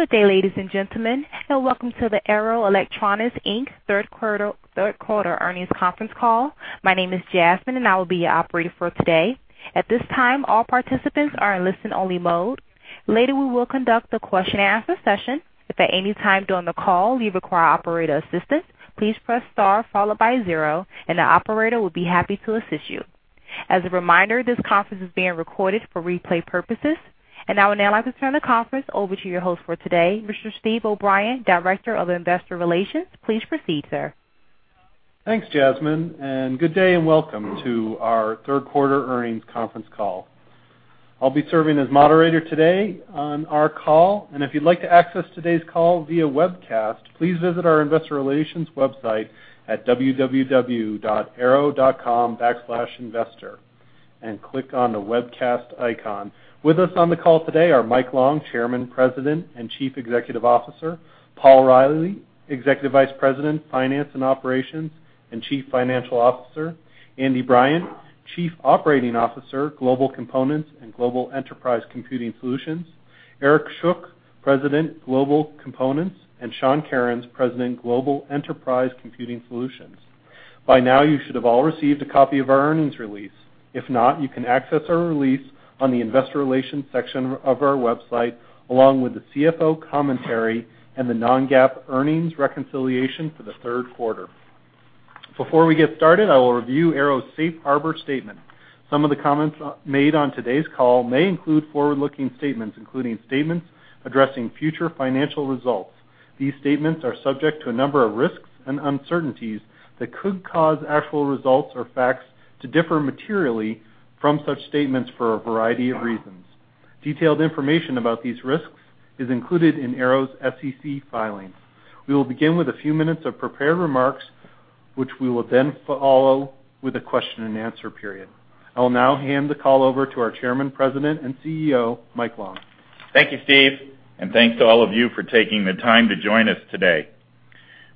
Good day, ladies and gentlemen, and welcome to the Arrow Electronics, Inc. third quarter, third quarter earnings conference call. My name is Jasmine, and I will be your operator for today. At this time, all participants are in listen-only mode. Later, we will conduct a question-and-answer session. If at any time during the call you require operator assistance, please press star followed by zero, and the operator will be happy to assist you. As a reminder, this conference is being recorded for replay purposes. I would now like to turn the conference over to your host for today, Mr. Steve O'Brien, Director of Investor Relations. Please proceed, sir. Thanks, Jasmine, and good day, and welcome to our third quarter earnings conference call. I'll be serving as moderator today on our call, and if you'd like to access today's call via webcast, please visit our investor relations website at www.arrow.com/investor and click on the Webcast icon. With us on the call today are Mike Long, Chairman, President, and Chief Executive Officer; Paul Reilly, Executive Vice President, Finance and Operations, and Chief Financial Officer; Andy Bryant, Chief Operating Officer, Global Components and Global Enterprise Computing Solutions; Eric Schuck, President, Global Components; and Sean Kerins, President, Global Enterprise Computing Solutions. By now, you should have all received a copy of our earnings release. If not, you can access our release on the investor relations section of our website, along with the CFO commentary and the non-GAAP earnings reconciliation for the third quarter. Before we get started, I will review Arrow's Safe Harbor statement. Some of the comments made on today's call may include forward-looking statements, including statements addressing future financial results. These statements are subject to a number of risks and uncertainties that could cause actual results or facts to differ materially from such statements for a variety of reasons. Detailed information about these risks is included in Arrow's SEC filings. We will begin with a few minutes of prepared remarks, which we will then follow with a question-and-answer period. I will now hand the call over to our Chairman, President, and CEO, Mike Long. Thank you, Steve, and thanks to all of you for taking the time to join us today.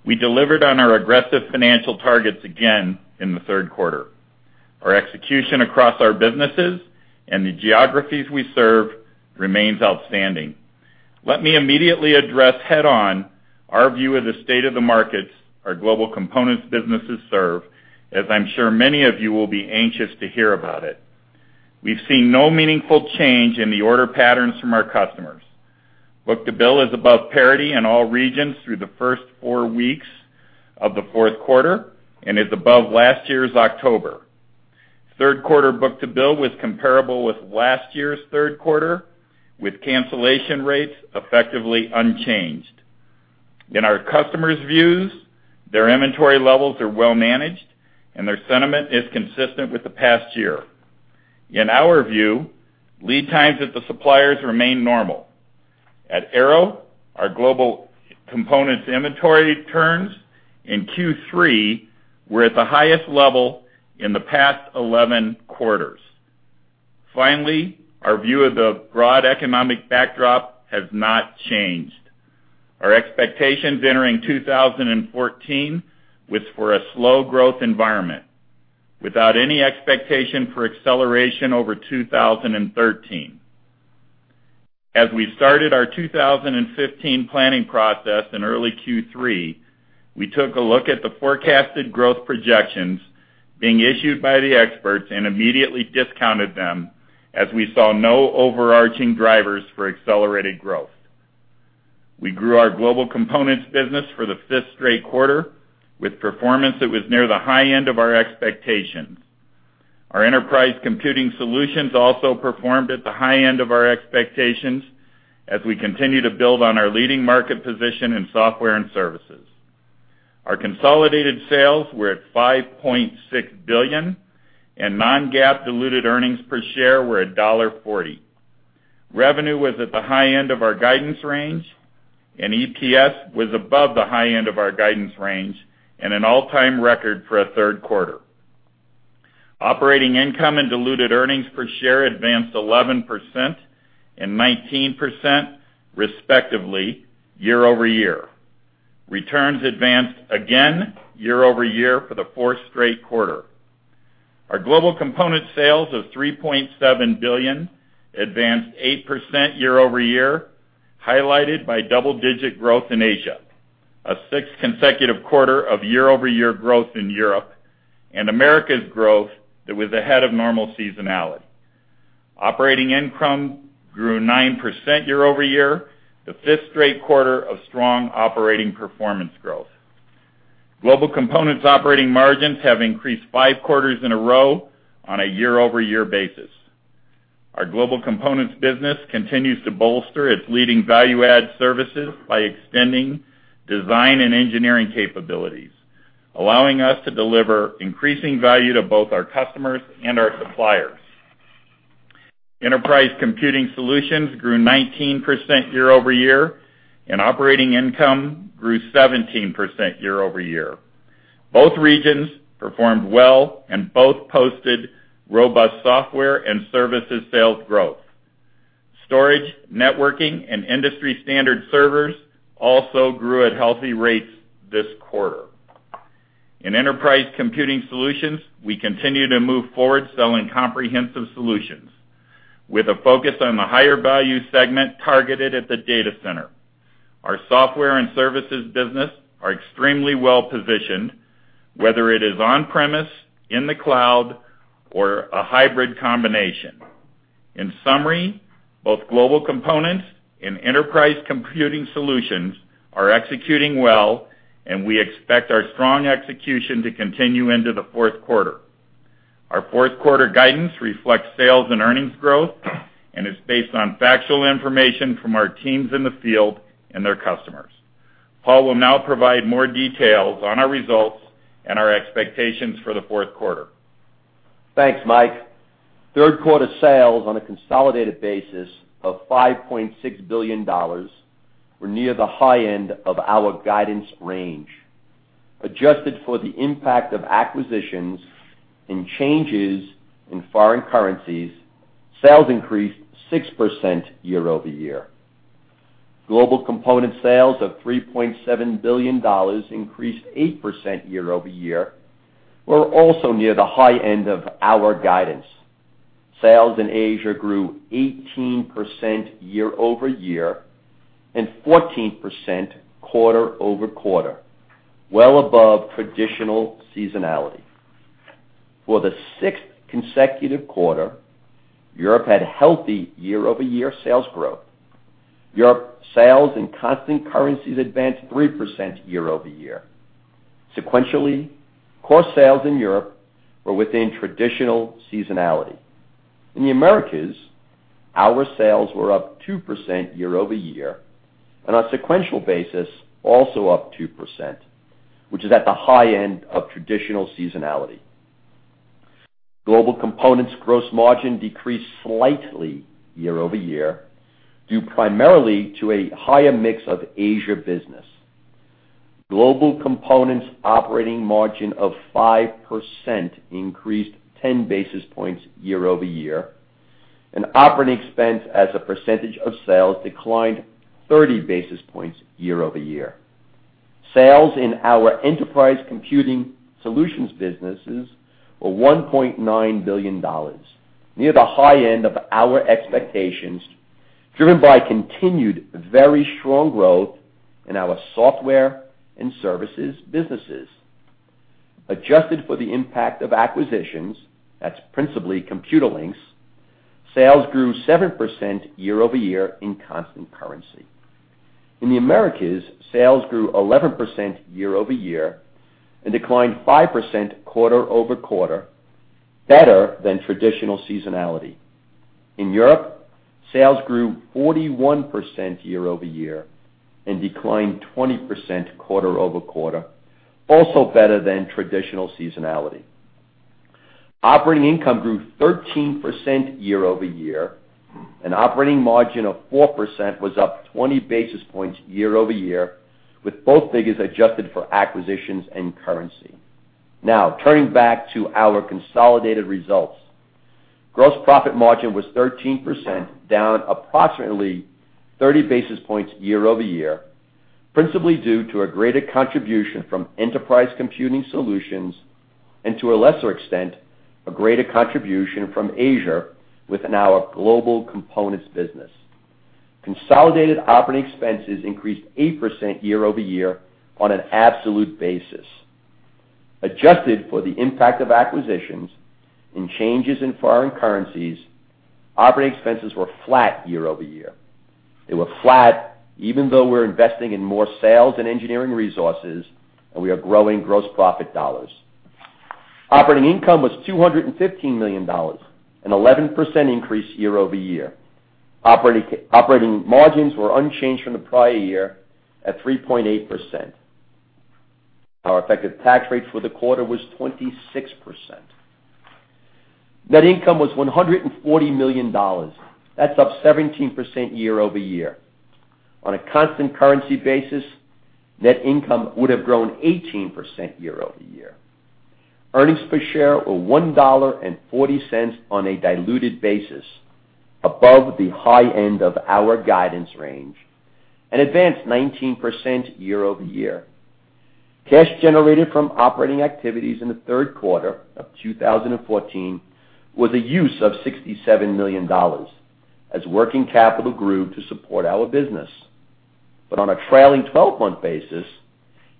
We delivered on our aggressive financial targets again in the third quarter. Our execution across our businesses and the geographies we serve remains outstanding. Let me immediately address head-on our view of the state of the markets our global components businesses serve, as I'm sure many of you will be anxious to hear about it. We've seen no meaningful change in the order patterns from our customers. Book-to-bill is above parity in all regions through the first four weeks of the fourth quarter and is above last year's October. Third quarter book-to-bill was comparable with last year's third quarter, with cancellation rates effectively unchanged. In our customers' views, their inventory levels are well managed, and their sentiment is consistent with the past year. In our view, lead times at the suppliers remain normal. At Arrow, our global components inventory turns in Q3 were at the highest level in the past 11 quarters. Finally, our view of the broad economic backdrop has not changed. Our expectations entering 2014 was for a slow growth environment without any expectation for acceleration over 2013. As we started our 2015 planning process in early Q3, we took a look at the forecasted growth projections being issued by the experts and immediately discounted them as we saw no overarching drivers for accelerated growth. We grew our global components business for the fifth straight quarter with performance that was near the high end of our expectations. Our enterprise computing solutions also performed at the high end of our expectations as we continue to build on our leading market position in software and services. Our consolidated sales were $5.6 billion, and non-GAAP diluted earnings per share were $0.40. Revenue was at the high end of our guidance range, and EPS was above the high end of our guidance range and an all-time record for a third quarter. Operating income and diluted earnings per share advanced 11% and 19%, respectively, year-over-year. Returns advanced again year-over-year for the fourth straight quarter. Our Global Components sales of $3.7 billion advanced 8% year-over-year, highlighted by double-digit growth in Asia, a sixth consecutive quarter of year-over-year growth in Europe, and Americas growth that was ahead of normal seasonality. Operating income grew 9% year-over-year, the fifth straight quarter of strong operating performance growth. Global Components operating margins have increased five quarters in a row on a year-over-year basis. Our Global Components business continues to bolster its leading value-add services by extending design and engineering capabilities, allowing us to deliver increasing value to both our customers and our suppliers. Enterprise Computing Solutions grew 19% year-over-year, and operating income grew 17% year-over-year. Both regions performed well, and both posted robust software and services sales growth. Storage, networking, and industry-standard servers also grew at healthy rates this quarter. In Enterprise Computing Solutions, we continue to move forward selling comprehensive solutions, with a focus on the higher value segment targeted at the data center. Our software and services business are extremely well-positioned, whether it is on-premise, in the cloud, or a hybrid combination. In summary, both Global Components and Enterprise Computing Solutions are executing well, and we expect our strong execution to continue into the fourth quarter. Our Fourth Quarter guidance reflects sales and earnings growth, and is based on factual information from our teams in the field and their customers. Paul will now provide more details on our results and our expectations for the Fourth Quarter. Thanks, Mike. Third quarter sales on a consolidated basis of $5.6 billion were near the high end of our guidance range. Adjusted for the impact of acquisitions and changes in foreign currencies, sales increased 6% year-over-year. Global Components sales of $3.7 billion increased 8% year-over-year, were also near the high end of our guidance. Sales in Asia grew 18% year-over-year and 14% quarter-over-quarter, well above traditional seasonality. For the sixth consecutive quarter, Europe had healthy year-over-year sales growth. Europe sales in constant currencies advanced 3% year-over-year. Sequentially, core sales in Europe were within traditional seasonality. In the Americas, our sales were up 2% year-over-year, and on a sequential basis, also up 2%, which is at the high end of traditional seasonality. Global Components gross margin decreased slightly year-over-year, due primarily to a higher mix of Asia business. Global Components operating margin of 5% increased 10 basis points year-over-year, and operating expense as a percentage of sales declined 30 basis points year-over-year. Sales in our Enterprise Computing Solutions businesses were $1.9 billion, near the high end of our expectations, driven by continued very strong growth in our software and services businesses. Adjusted for the impact of acquisitions, that's principally Computerlinks, sales grew 7% year-over-year in constant currency. In the Americas, sales grew 11% year-over-year and declined 5% quarter-over-quarter, better than traditional seasonality. In Europe, sales grew 41% year-over-year and declined 20% quarter-over-quarter, also better than traditional seasonality. Operating income grew 13% year-over-year, and operating margin of 4% was up 20 basis points year-over-year, with both figures adjusted for acquisitions and currency. Now, turning back to our consolidated results. Gross profit margin was 13%, down approximately 30 basis points year-over-year, principally due to a greater contribution from enterprise computing solutions, and to a lesser extent, a greater contribution from Asia with now our global components business. Consolidated operating expenses increased 8% year-over-year on an absolute basis. Adjusted for the impact of acquisitions and changes in foreign currencies, operating expenses were flat year-over-year. They were flat, even though we're investing in more sales and engineering resources, and we are growing gross profit dollars. Operating income was $215 million, an 11% increase year-over-year. Operating margins were unchanged from the prior year at 3.8%. Our effective tax rate for the quarter was 26%. Net income was $140 million. That's up 17% year-over-year. On a constant currency basis, net income would have grown 18% year-over-year. Earnings per share were $1.40 on a diluted basis, above the high end of our guidance range, and advanced 19% year-over-year. Cash generated from operating activities in the third quarter of 2014 was a use of $67 million, as working capital grew to support our business. On a trailing twelve-month basis,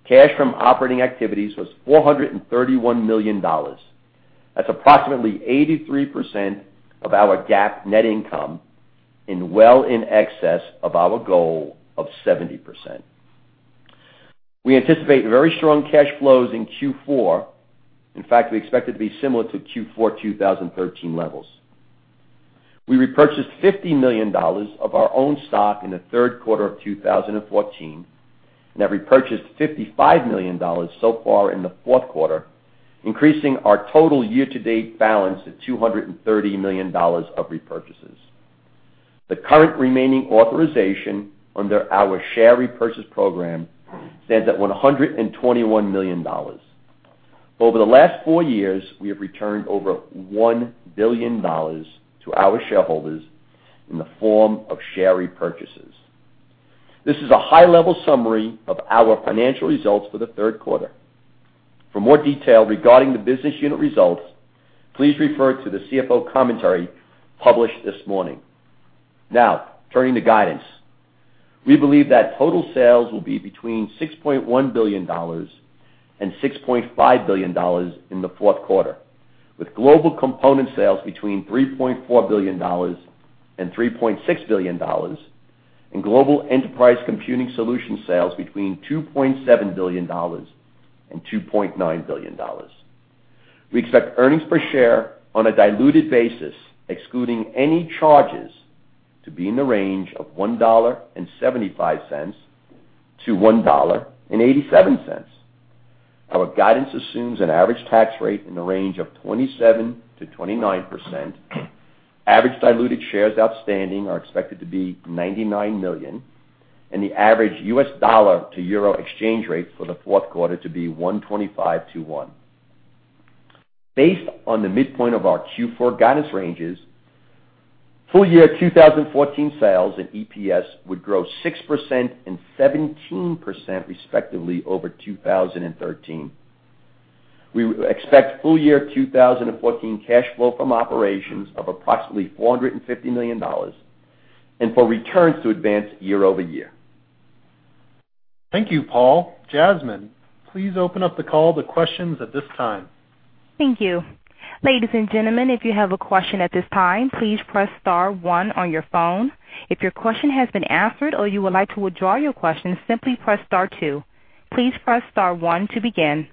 cash from operating activities was $431 million. That's approximately 83% of our GAAP net income and well in excess of our goal of 70%. We anticipate very strong cash flows in Q4. In fact, we expect it to be similar to Q4 2013 levels. We repurchased $50 million of our own stock in the third quarter of 2014, and have repurchased $55 million so far in the fourth quarter, increasing our total year-to-date balance to $230 million of repurchases. The current remaining authorization under our share repurchase program stands at $121 million. Over the last four years, we have returned over $1 billion to our shareholders in the form of share repurchases. ...This is a high-level summary of our financial results for the third quarter. For more detail regarding the business unit results, please refer to the CFO commentary published this morning. Now, turning to guidance. We believe that total sales will be between $6.1 billion and $6.5 billion in the fourth quarter, with global component sales between $3.4 billion and $3.6 billion, and global enterprise computing solution sales between $2.7 billion and $2.9 billion. We expect earnings per share on a diluted basis, excluding any charges, to be in the range of $1.75 to $1.87. Our guidance assumes an average tax rate in the range of 27%-29%. Average diluted shares outstanding are expected to be 99 million, and the average US dollar to euro exchange rate for the fourth quarter to be 1.25 to 1. Based on the midpoint of our Q4 guidance ranges, full year 2014 sales and EPS would grow 6% and 17%, respectively, over 2013. We expect full year 2014 cash flow from operations of approximately $450 million and for returns to advance year-over-year. Thank you, Paul. Jasmine, please open up the call to questions at this time. Thank you. Ladies and gentlemen, if you have a question at this time, please press star one on your phone. If your question has been answered or you would like to withdraw your question, simply press star two. Please press star one to begin.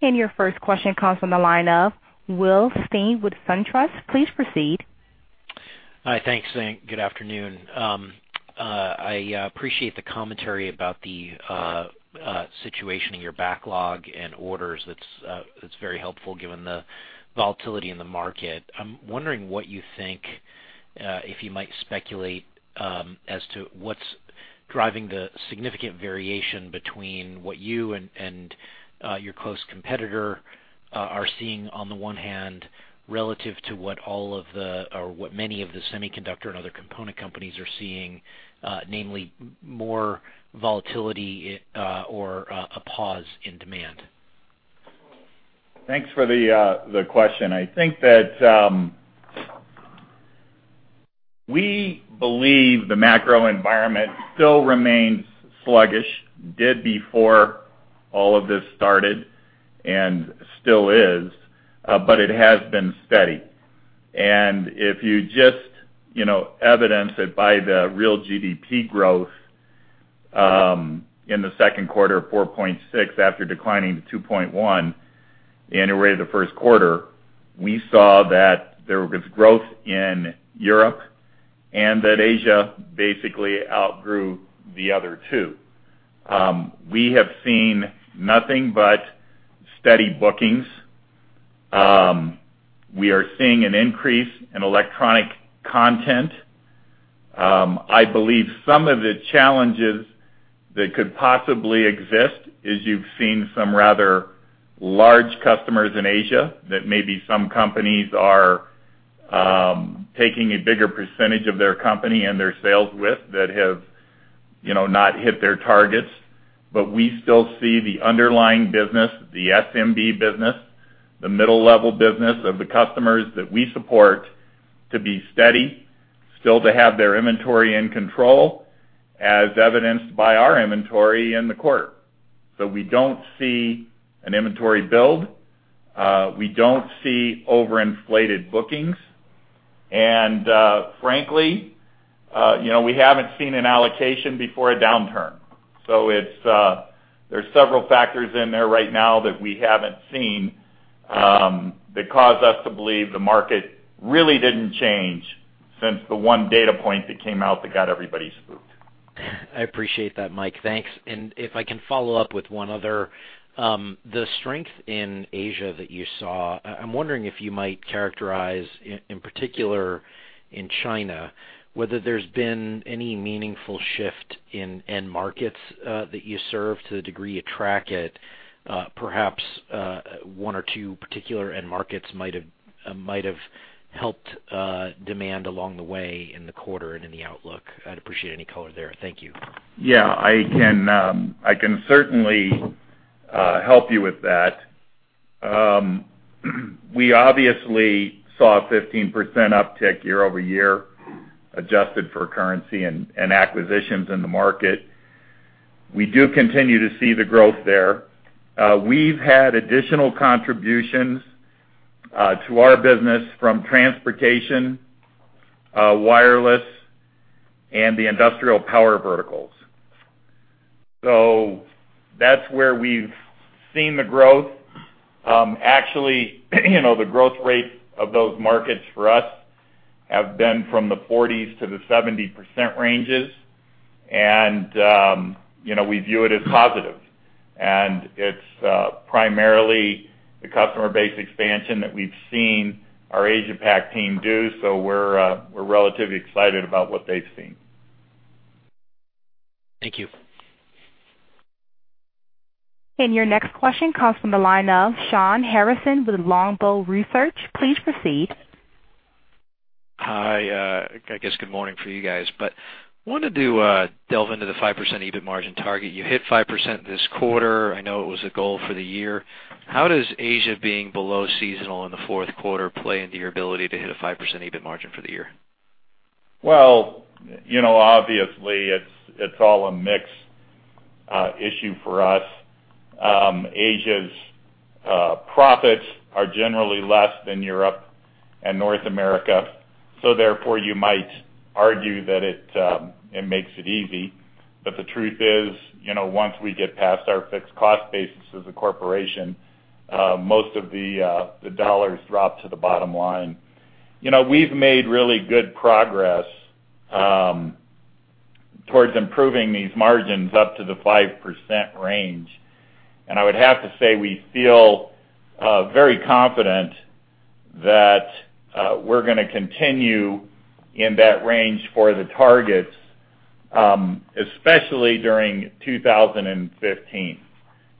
Your first question comes from the line of William Stein with SunTrust. Please proceed. Hi, thanks, and good afternoon. I appreciate the commentary about the situation in your backlog and orders. That's very helpful, given the volatility in the market. I'm wondering what you think, if you might speculate, as to what's driving the significant variation between what you and your close competitor are seeing, on the one hand, relative to what all of the -- or what many of the semiconductor and other component companies are seeing, namely more volatility, or a pause in demand? Thanks for the, the question. I think that, we believe the macro environment still remains sluggish, did before all of this started and still is, but it has been steady. And if you just, you know, evidence it by the real GDP growth, in the second quarter, 4.6, after declining to 2.1 annual rate of the first quarter, we saw that there was growth in Europe and that Asia basically outgrew the other two. We have seen nothing but steady bookings. We are seeing an increase in electronic content. I believe some of the challenges that could possibly exist is you've seen some rather large customers in Asia that maybe some companies are, taking a bigger percentage of their company and their sales with, that have, you know, not hit their targets. But we still see the underlying business, the SMB business, the middle-level business of the customers that we support, to be steady, still to have their inventory in control, as evidenced by our inventory in the quarter. So we don't see an inventory build, we don't see overinflated bookings, and, frankly, you know, we haven't seen an allocation before a downturn. So it's, there's several factors in there right now that we haven't seen, that cause us to believe the market really didn't change since the one data point that came out that got everybody spooked. I appreciate that, Mike. Thanks. And if I can follow up with one other, the strength in Asia that you saw, I'm wondering if you might characterize, in particular in China, whether there's been any meaningful shift in end markets, that you serve to the degree you track it? Perhaps, one or two particular end markets might have helped demand along the way in the quarter and in the outlook. I'd appreciate any color there. Thank you. Yeah, I can, I can certainly help you with that. We obviously saw a 15% uptick year-over-year, adjusted for currency and acquisitions in the market. We do continue to see the growth there. We've had additional contributions to our business from transportation, wireless, and the industrial power verticals. So that's where we've seen the growth. Actually, you know, the growth rate of those markets for us have been from the 40s to the 70% ranges, and, you know, we view it as positive. And it's primarily the customer base expansion that we've seen our Asia Pac team do, so we're, we're relatively excited about what they've seen. Thank you.... Your next question comes from the line of Shawn Harrison with Longbow Research. Please proceed. Hi, I guess good morning for you guys. But wanted to delve into the 5% EBIT margin target. You hit 5% this quarter. I know it was a goal for the year. How does Asia being below seasonal in the fourth quarter play into your ability to hit a 5% EBIT margin for the year? Well, you know, obviously, it's all a mix issue for us. Asia's profits are generally less than Europe and North America, so therefore, you might argue that it makes it easy. But the truth is, you know, once we get past our fixed cost basis as a corporation, most of the dollars drop to the bottom line. You know, we've made really good progress towards improving these margins up to the 5% range. And I would have to say, we feel very confident that we're gonna continue in that range for the targets, especially during 2015.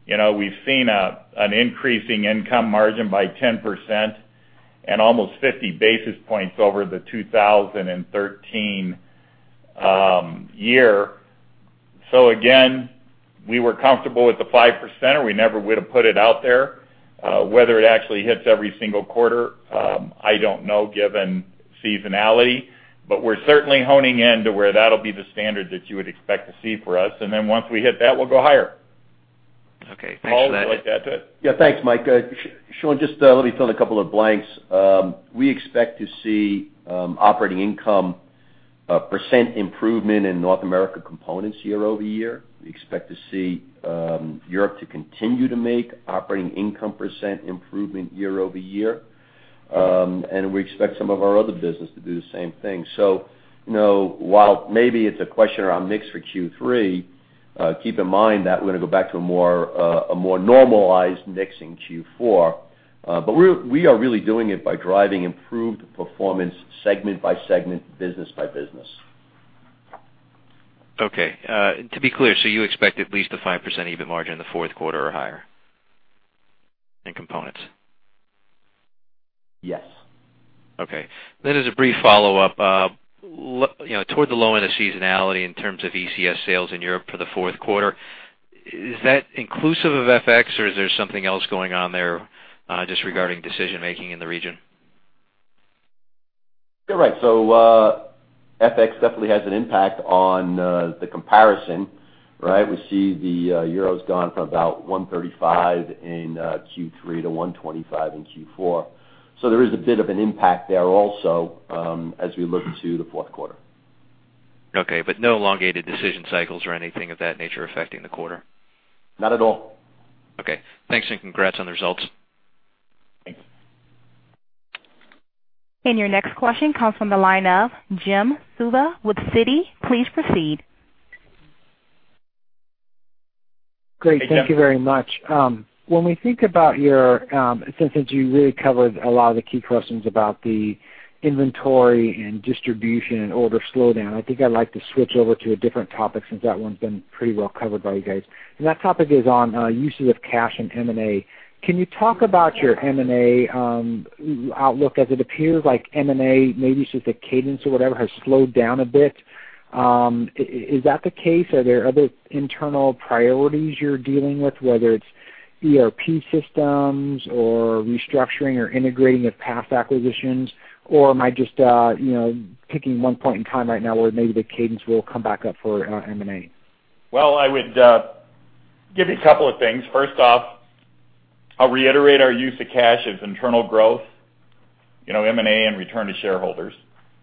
You know, we've seen an increasing income margin by 10% and almost 50 basis points over the 2013 year. So again, we were comfortable with the 5%, or we never would have put it out there. Whether it actually hits every single quarter, I don't know, given seasonality, but we're certainly honing in to where that'll be the standard that you would expect to see for us. And then once we hit that, we'll go higher. Okay, thanks for that. Paul, would you like to add to it? Yeah, thanks, Mike. Shawn, just let me fill in a couple of blanks. We expect to see operating income percent improvement in North America Components year-over-year. We expect to see Europe to continue to make operating income percent improvement year-over-year. And we expect some of our other business to do the same thing. So, you know, while maybe it's a question around mix for Q3, keep in mind that we're gonna go back to a more normalized mix in Q4. But we are really doing it by driving improved performance segment by segment, business by business. Okay. To be clear, so you expect at least a 5% EBIT margin in the fourth quarter or higher in components? Yes. Okay. Then as a brief follow-up, you know, toward the low end of seasonality in terms of ECS sales in Europe for the fourth quarter, is that inclusive of FX, or is there something else going on there, just regarding decision-making in the region? You're right. So, FX definitely has an impact on the comparison, right? We see the euro's gone from about 1.35 in Q3 to 1.25 in Q4. So there is a bit of an impact there also, as we look to the fourth quarter. Okay, but no elongated decision cycles or anything of that nature affecting the quarter? Not at all. Okay, thanks, and congrats on the results. Thanks. Your next question comes from the line of Jim Suva with Citi. Please proceed. Great. Hey, Jim. Thank you very much. When we think about your, since you really covered a lot of the key questions about the inventory and distribution and order slowdown, I think I'd like to switch over to a different topic since that one's been pretty well covered by you guys. That topic is on uses of cash and M&A. Can you talk about your M&A outlook as it appears like M&A, maybe just the cadence or whatever, has slowed down a bit? Is that the case? Are there other internal priorities you're dealing with, whether it's ERP systems or restructuring or integrating of past acquisitions? Or am I just, you know, picking one point in time right now where maybe the cadence will come back up for M&A? Well, I would give you a couple of things. First off, I'll reiterate our use of cash as internal growth, you know, M&A and return to shareholders.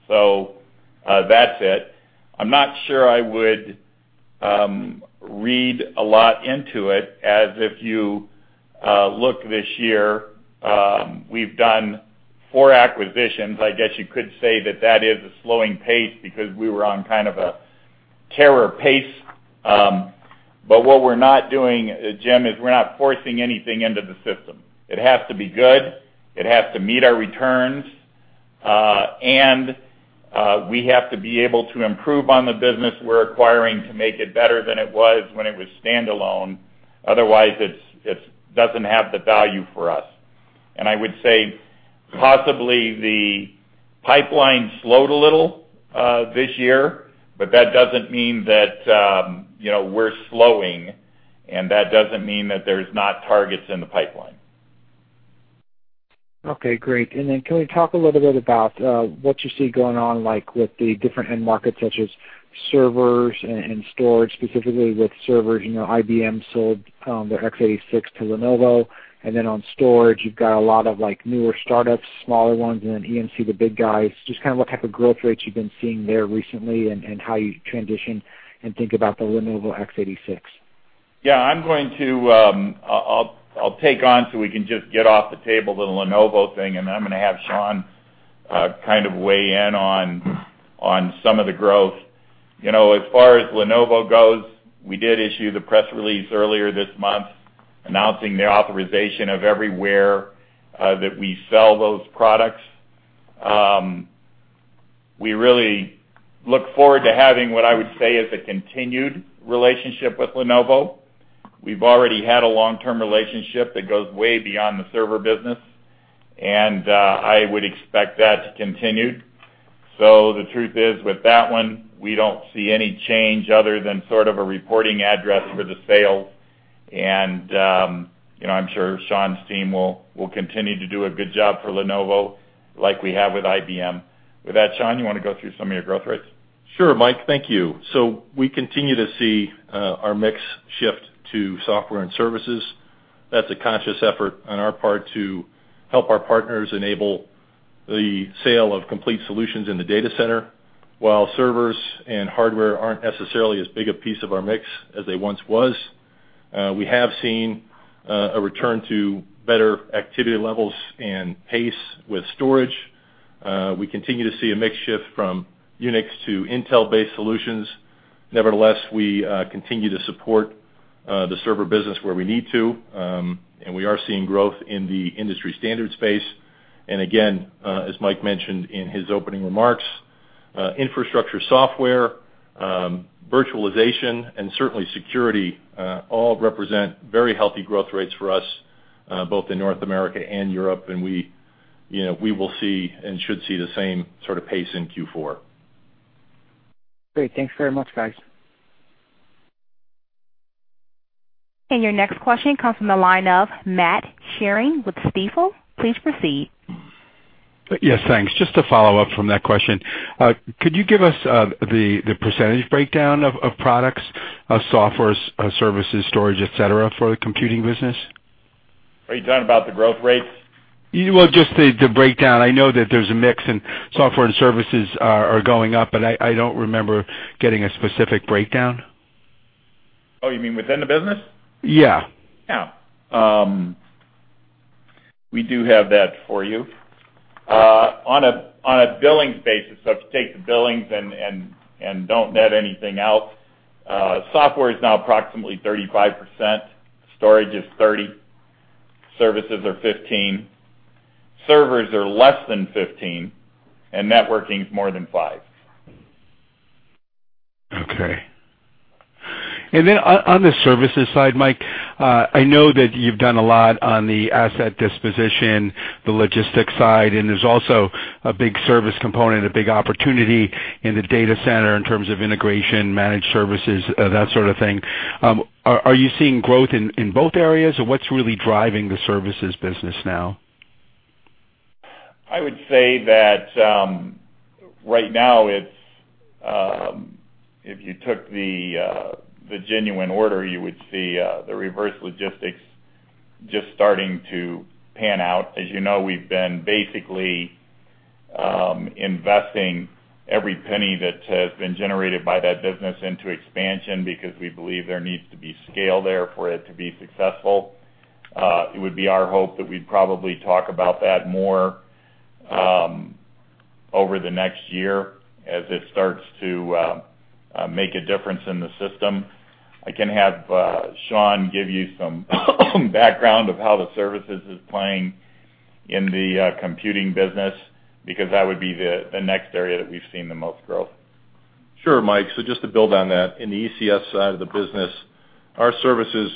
So, that's it. I'm not sure I would read a lot into it, as if you look this year, we've done four acquisitions. I guess you could say that that is a slowing pace because we were on kind of a tear pace. But what we're not doing, Jim, is we're not forcing anything into the system. It has to be good, it has to meet our returns, and we have to be able to improve on the business we're acquiring to make it better than it was when it was standalone. Otherwise, it doesn't have the value for us. I would say possibly the pipeline slowed a little, this year, but that doesn't mean that, you know, we're slowing, and that doesn't mean that there's not targets in the pipeline. Okay, great. And then can we talk a little bit about what you see going on, like, with the different end markets, such as servers and storage, specifically with servers? You know, IBM sold their x86 to Lenovo, and then on storage, you've got a lot of, like, newer startups, smaller ones, and then EMC, the big guys. Just kind of what type of growth rates you've been seeing there recently and how you transition and think about the Lenovo x86. Yeah, I'm going to, I'll, I'll take on, so we can just get off the table, the Lenovo thing, and then I'm gonna have Sean, kind of weigh in on, on some of the growth. You know, as far as Lenovo goes, we did issue the press release earlier this month, announcing the authorization of everywhere, that we sell those products. We really look forward to having what I would say is a continued relationship with Lenovo. We've already had a long-term relationship that goes way beyond the server business, and, I would expect that to continue. So the truth is, with that one, we don't see any change other than sort of a reporting address for the sales. And, you know, I'm sure Sean's team will, will continue to do a good job for Lenovo, like we have with IBM. With that, Sean, you want to go through some of your growth rates? Sure, Mike. Thank you. So we continue to see our mix shift to software and services. That's a conscious effort on our part to help our partners enable the sale of complete solutions in the data center, while servers and hardware aren't necessarily as big a piece of our mix as they once was. We have seen a return to better activity levels and pace with storage. We continue to see a mix shift from Unix to Intel-based solutions. Nevertheless, we continue to support the server business where we need to, and we are seeing growth in the industry standard space. And again, as Mike mentioned in his opening remarks, infrastructure, software, virtualization, and certainly security all represent very healthy growth rates for us, both in North America and Europe. We, you know, we will see and should see the same sort of pace in Q4. Great. Thanks very much, guys. Your next question comes from the line of Matt Sheerin with Stifel. Please proceed. Yes, thanks. Just to follow up from that question, could you give us the percentage breakdown of products, of software, of services, storage, et cetera, for the computing business? Are you talking about the growth rates? Well, just the breakdown. I know that there's a mix, and software and services are going up, but I don't remember getting a specific breakdown. Oh, you mean within the business? Yeah. Yeah. We do have that for you. On a billings basis, so if you take the billings and don't net anything out, software is now approximately 35%, storage is 30%, services are 15%, servers are less than 15%, and networking is more than 5%. Okay. And then on the services side, Mike, I know that you've done a lot on the asset disposition, the logistics side, and there's also a big service component, a big opportunity in the data center in terms of integration, managed services, that sort of thing. Are you seeing growth in both areas, or what's really driving the services business now? I would say that, right now, it's, if you took the, the genuine order, you would see, the reverse logistics just starting to pan out. As you know, we've been basically, investing every penny that has been generated by that business into expansion because we believe there needs to be scale there for it to be successful. It would be our hope that we'd probably talk about that more, over the next year as it starts to, make a difference in the system. I can have, Sean, give you some background of how the services is playing in the, computing business, because that would be the, the next area that we've seen the most growth. Sure, Mike. So just to build on that, in the ECS side of the business, our services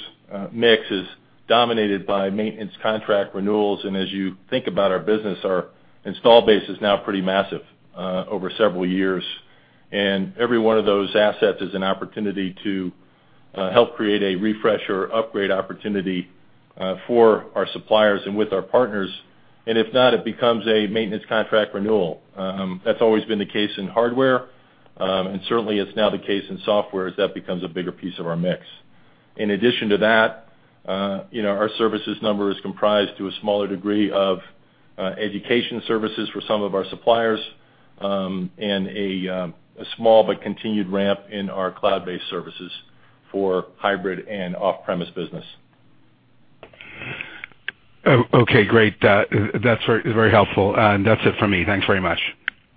mix is dominated by maintenance contract renewals, and as you think about our business, our installed base is now pretty massive over several years. And every one of those assets is an opportunity to help create a refresh or upgrade opportunity for our suppliers and with our partners, and if not, it becomes a maintenance contract renewal. That's always been the case in hardware, and certainly it's now the case in software as that becomes a bigger piece of our mix. In addition to that, you know, our services number is comprised to a smaller degree of education services for some of our suppliers, and a small but continued ramp in our cloud-based services for hybrid and off-premise business. Oh, okay, great. That, that's very, very helpful. And that's it for me. Thanks very much.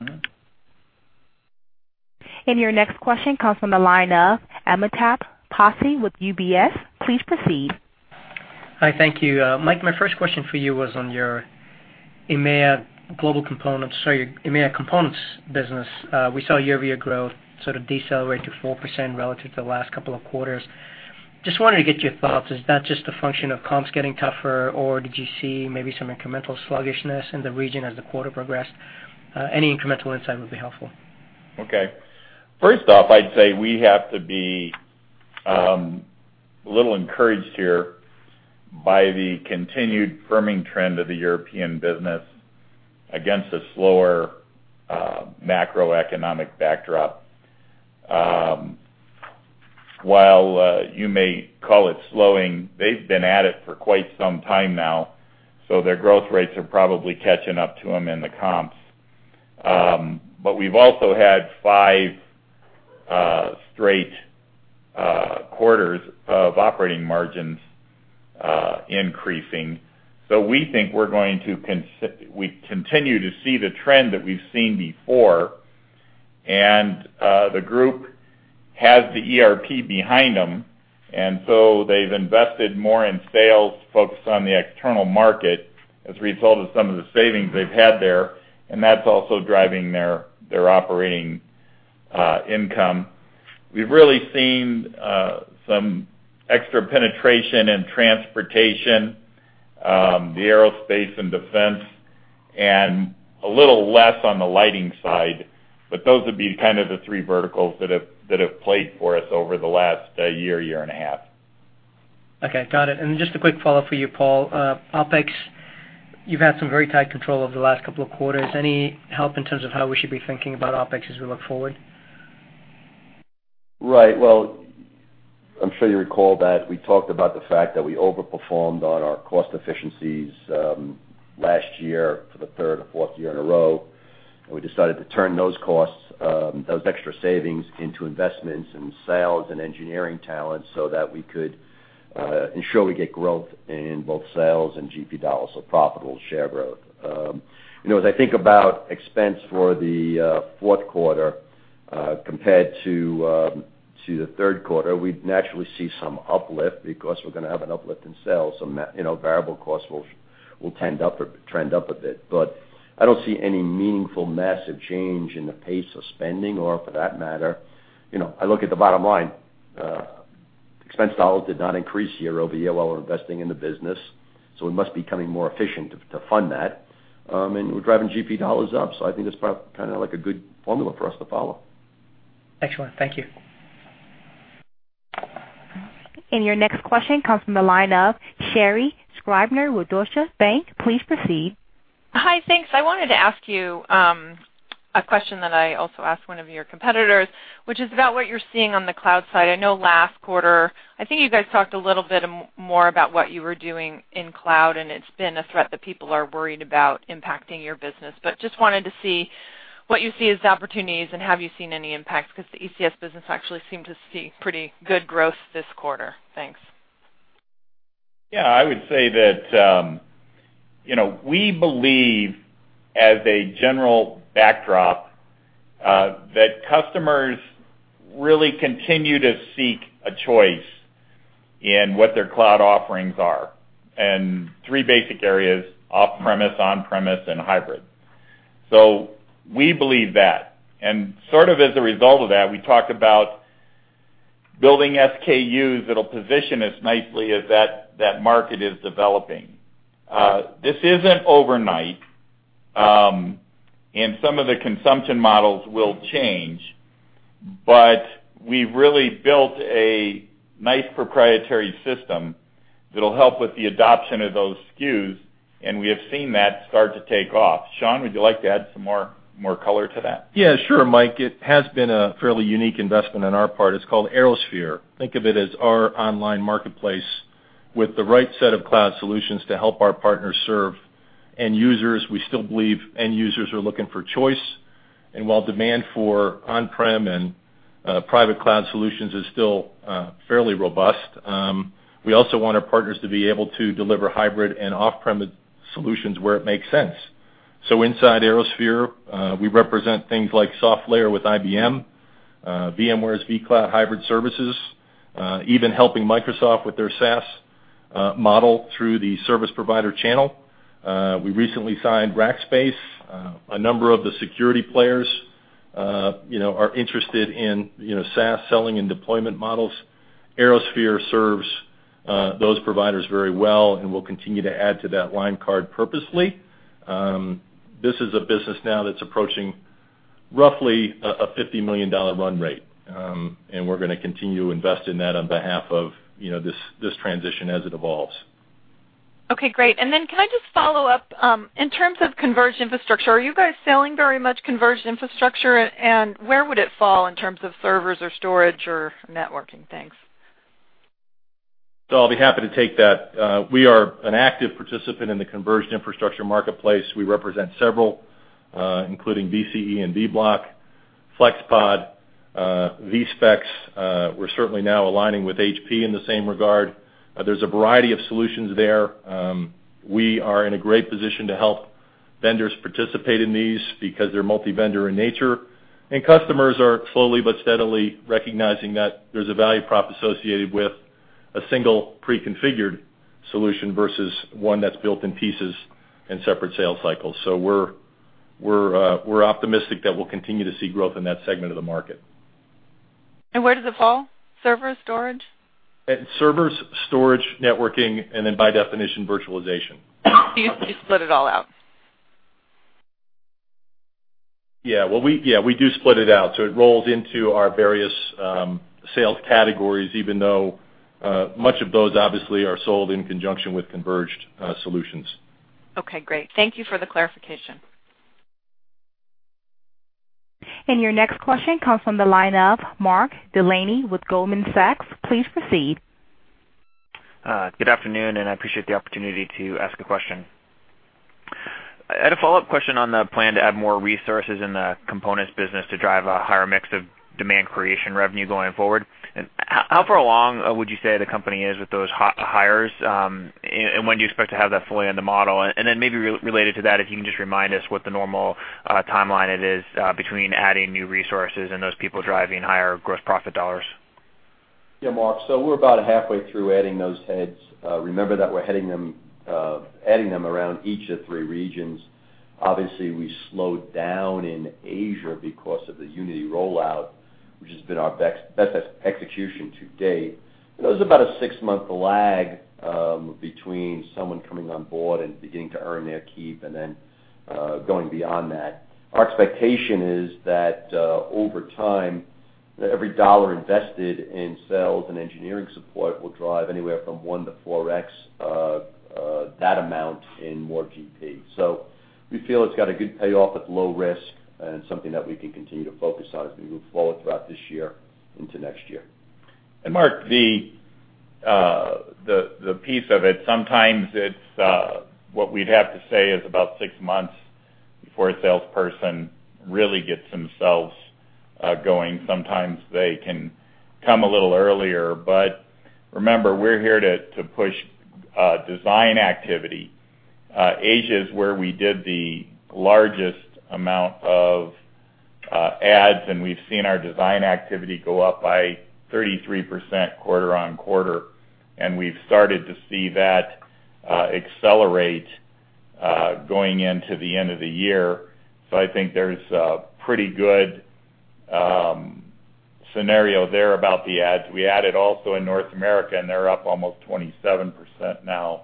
Mm-hmm. Your next question comes from the line of Amitabh Passi with UBS. Please proceed. Hi, thank you. Mike, my first question for you was on your EMEA global components, sorry, your EMEA components business. We saw year-over-year growth sort of decelerate to 4% relative to the last couple of quarters. Just wanted to get your thoughts, is that just a function of comps getting tougher, or did you see maybe some incremental sluggishness in the region as the quarter progressed? Any incremental insight would be helpful. Okay. First off, I'd say we have to be a little encouraged here by the continued firming trend of the European business against a slower macroeconomic backdrop. While you may call it slowing, they've been at it for quite some time now, so their growth rates are probably catching up to them in the comps. But we've also had five straight quarters of operating margins increasing. So we think we're going to continue to see the trend that we've seen before, and the group has the ERP behind them, and so they've invested more in sales focused on the external market as a result of some of the savings they've had there, and that's also driving their operating income. We've really seen some extra penetration in transportation, the aerospace and defense, and a little less on the lighting side, but those would be kind of the three verticals that have played for us over the last year, year and a half. Okay, got it. And just a quick follow-up for you, Paul. OpEx, you've had some very tight control over the last couple of quarters. Any help in terms of how we should be thinking about OpEx as we look forward? Right. Well, I'm sure you recall that we talked about the fact that we overperformed on our cost efficiencies, last year for the third or fourth year in a row. And we decided to turn those costs, those extra savings into investments in sales and engineering talent so that we could, ensure we get growth in both sales and GP dollars, so profitable share growth. You know, as I think about expense for the, fourth quarter, compared to, to the third quarter, we'd naturally see some uplift because we're going to have an uplift in sales. So you know, variable costs will tend up, or trend up a bit. But I don't see any meaningful, massive change in the pace of spending, or for that matter, you know, I look at the bottom line, expense dollars did not increase year-over-year while we're investing in the business, so we must be becoming more efficient to fund that. We're driving GP dollars up, so I think that's kind of like a good formula for us to follow. Excellent. Thank you. Your next question comes from the line of Sherri Scribner with Deutsche Bank. Please proceed. Hi, thanks. I wanted to ask you a question that I also asked one of your competitors, which is about what you're seeing on the cloud side. I know last quarter, I think you guys talked a little bit more about what you were doing in cloud, and it's been a threat that people are worried about impacting your business. But just wanted to see what you see as the opportunities, and have you seen any impacts? Because the ECS business actually seemed to see pretty good growth this quarter. Thanks. Yeah, I would say that, you know, we believe, as a general backdrop, that customers really continue to seek a choice in what their cloud offerings are, and three basic areas: off-premise, on-premise, and hybrid. So we believe that. And sort of as a result of that, we talked about building SKUs that'll position us nicely as that, that market is developing. This isn't overnight, and some of the consumption models will change, but we've really built a nice proprietary system that'll help with the adoption of those SKUs, and we have seen that start to take off. Sean, would you like to add some more, more color to that? Yeah, sure, Mike. It has been a fairly unique investment on our part. It's called ArrowSphere. Think of it as our online marketplace with the right set of cloud solutions to help our partners serve end users. We still believe end users are looking for choice. And while demand for on-prem and private cloud solutions is still fairly robust, we also want our partners to be able to deliver hybrid and off-premise solutions where it makes sense. So inside ArrowSphere, we represent things like SoftLayer with IBM, VMware's vCloud Hybrid Services, even helping Microsoft with their SaaS model through the service provider channel. We recently signed Rackspace. A number of the security players, you know, are interested in, you know, SaaS selling and deployment models. ArrowSphere serves those providers very well, and we'll continue to add to that line card purposely. This is a business now that's approaching roughly a $50 million run rate, and we're going to continue to invest in that on behalf of, you know, this transition as it evolves. Okay, great. And then can I just follow up, in terms of converged infrastructure, are you guys selling very much converged infrastructure? And where would it fall in terms of servers or storage or networking? Thanks. So I'll be happy to take that. We are an active participant in the converged infrastructure marketplace. We represent several, including VCE and Vblock, FlexPod, VSPEX. We're certainly now aligning with HP in the same regard. There's a variety of solutions there. We are in a great position to help vendors participate in these because they're multi-vendor in nature, and customers are slowly but steadily recognizing that there's a value prop associated with a single pre-configured solution versus one that's built in pieces in separate sales cycles. So we're, we're, we're optimistic that we'll continue to see growth in that segment of the market. Where does it fall? Server, storage? Servers, storage, networking, and then, by definition, virtualization. You split it all out? Yeah, well, we do split it out, so it rolls into our various sales categories, even though much of those obviously are sold in conjunction with converged solutions. Okay, great. Thank you for the clarification. Your next question comes from the line of Mark Delaney with Goldman Sachs. Please proceed. Good afternoon, and I appreciate the opportunity to ask a question. I had a follow-up question on the plan to add more resources in the components business to drive a higher mix of demand creation revenue going forward. And how far along would you say the company is with those hires, and when do you expect to have that fully in the model? And then maybe related to that, if you can just remind us what the normal timeline it is between adding new resources and those people driving higher gross profit dollars?... Yeah, Mark, so we're about halfway through adding those heads. Remember that we're heading them, adding them around each of the 3 regions. Obviously, we slowed down in Asia because of the Unity rollout, which has been our best, best execution to date. There was about a 6-month lag between someone coming on board and beginning to earn their keep, and then going beyond that. Our expectation is that over time, that every dollar invested in sales and engineering support will drive anywhere from 1-4x that amount in more GP. So we feel it's got a good payoff with low risk and something that we can continue to focus on as we move forward throughout this year into next year. And Mark, the piece of it, sometimes it's what we'd have to say is about six months before a salesperson really gets themselves going. Sometimes they can come a little earlier, but remember, we're here to push design activity. Asia is where we did the largest amount of adds, and we've seen our design activity go up by 33% quarter-over-quarter, and we've started to see that accelerate going into the end of the year. So I think there's a pretty good scenario there about the adds. We added also in North America, and they're up almost 27% now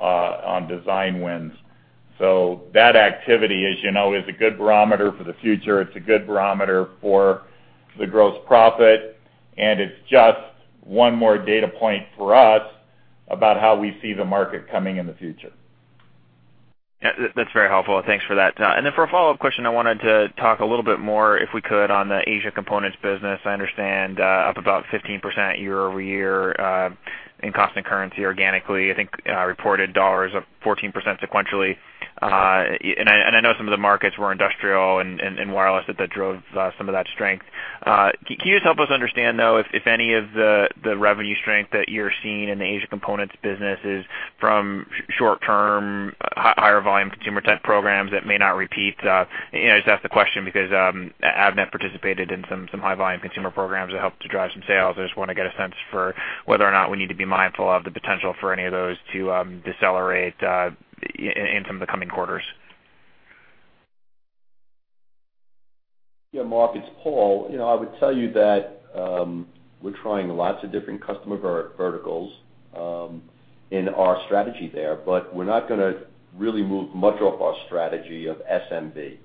on design wins. So that activity, as you know, is a good barometer for the future. It's a good barometer for the gross profit, and it's just one more data point for us about how we see the market coming in the future. Yeah, that's very helpful. Thanks for that. And then for a follow-up question, I wanted to talk a little bit more, if we could, on the Asia components business. I understand up about 15% year-over-year in constant currency organically, I think, reported dollars of 14% sequentially. And I know some of the markets were industrial and wireless that drove some of that strength. Can you just help us understand, though, if any of the revenue strength that you're seeing in the Asia components business is from short-term, higher volume consumer tech programs that may not repeat? You know, I just ask the question because Avnet participated in some high-volume consumer programs that helped to drive some sales. I just wanna get a sense for whether or not we need to be mindful of the potential for any of those to decelerate in some of the coming quarters. Yeah, Mark, it's Paul. You know, I would tell you that we're trying lots of different customer verticals in our strategy there, but we're not gonna really move much off our strategy of SMB.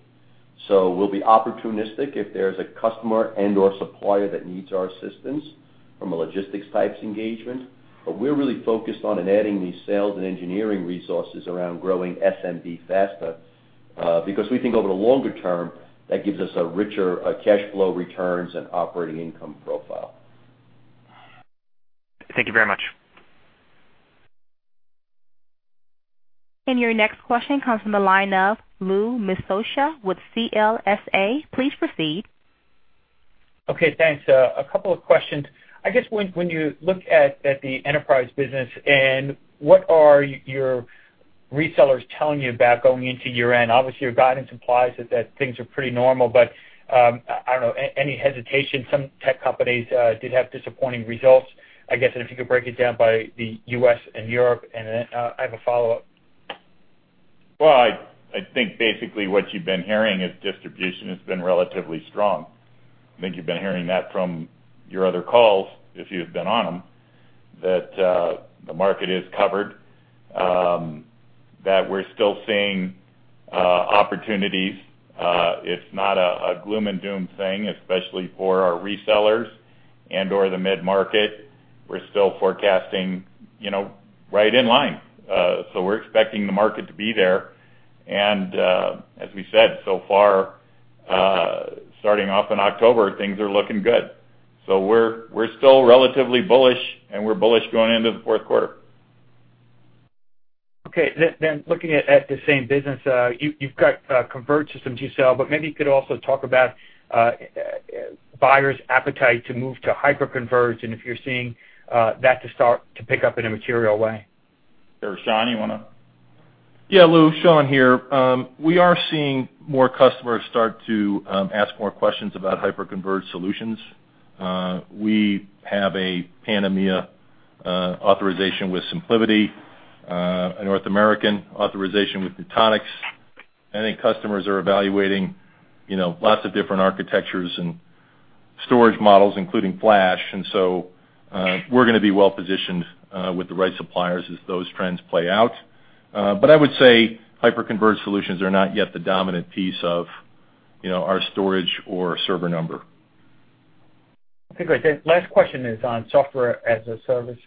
So we'll be opportunistic if there's a customer and/or supplier that needs our assistance from a logistics types engagement, but we're really focused on in adding these sales and engineering resources around growing SMB faster, because we think over the longer term, that gives us a richer cash flow, returns, and operating income profile. Thank you very much. Your next question comes from the line of Louis Miscioscia with CLSA. Please proceed. Okay, thanks. A couple of questions. I guess when you look at the enterprise business, and what are your resellers telling you about going into year-end? Obviously, your guidance implies that things are pretty normal, but I don't know any hesitation; some tech companies did have disappointing results. I guess, and if you could break it down by the U.S. and Europe, and then I have a follow-up. Well, I think basically what you've been hearing is distribution has been relatively strong. I think you've been hearing that from your other calls, if you've been on them, that the market is covered, that we're still seeing opportunities. It's not a gloom and doom thing, especially for our resellers and/or the mid-market. We're still forecasting, you know, right in line. So we're expecting the market to be there, and as we said so far, starting off in October, things are looking good. So we're still relatively bullish, and we're bullish going into the fourth quarter. Okay. Then looking at the same business, you've got converged systems you sell, but maybe you could also talk about buyer's appetite to move to hyperconverged, and if you're seeing that to start to pick up in a material way? Sure. Sean, you wanna? Yeah, Lou, Sean here. We are seeing more customers start to ask more questions about hyperconverged solutions. We have a Pan-EMEA authorization with SimpliVity, a North American authorization with Nutanix. I think customers are evaluating, you know, lots of different architectures and storage models, including Flash, and so, we're gonna be well-positioned with the right suppliers as those trends play out. But I would say hyperconverged solutions are not yet the dominant piece of, you know, our storage or server number. Okay, great. The last question is on software as a service,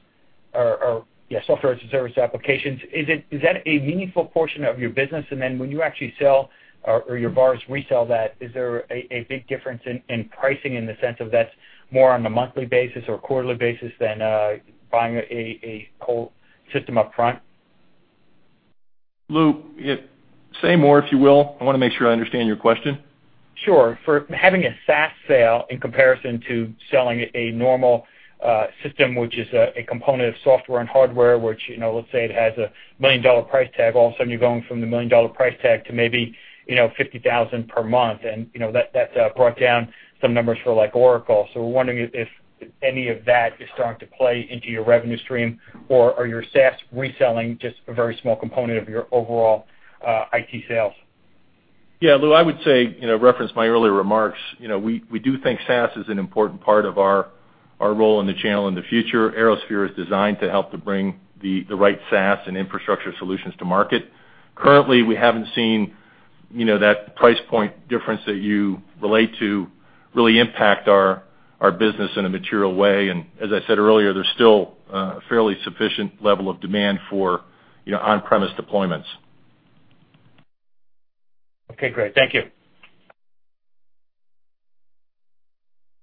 software-as-a-service applications. Is it—is that a meaningful portion of your business? And then when you actually sell or your partners resell that, is there a big difference in pricing in the sense of that's more on a monthly basis or quarterly basis than buying a whole system upfront? Lou, say more, if you will. I wanna make sure I understand your question. Sure. For having a SaaS sale in comparison to selling a normal system, which is a component of software and hardware, which, you know, let's say it has a $1 million price tag. All of a sudden, you're going from the $1 million price tag to maybe, you know, $50,000 per month, and, you know, that brought down some numbers for, like, Oracle. So we're wondering if any of that is starting to play into your revenue stream, or are your SaaS reselling just a very small component of your overall IT sales? Yeah, Lou, I would say, you know, reference my earlier remarks. You know, we, we do think SaaS is an important part of our, our role in the channel and the future. ArrowSphere is designed to help to bring the, the right SaaS and infrastructure solutions to market. Currently, we haven't seen, you know, that price point difference that you relate to really impact our, our business in a material way. And as I said earlier, there's still a fairly sufficient level of demand for, you know, on-premise deployments. Okay, great. Thank you.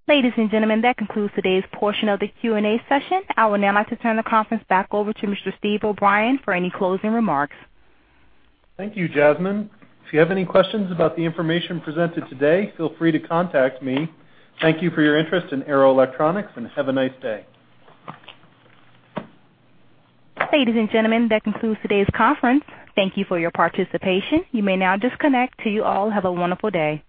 Ladies and gentlemen, that concludes today's portion of the Q&A session. I would now like to turn the conference back over to Mr. Steve O'Brien for any closing remarks. Thank you, Jasmine. If you have any questions about the information presented today, feel free to contact me. Thank you for your interest in Arrow Electronics, and have a nice day. Ladies and gentlemen, that concludes today's conference. Thank you for your participation. You may now disconnect, and you all have a wonderful day.